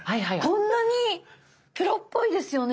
こんなに⁉プロっぽいですよね。